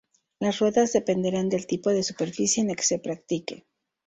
Las ruedas dependerán del tipo de superficie en la que se practique.